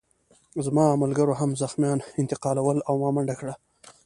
زما ملګرو هم زخمیان انتقالول او ما منډه کړه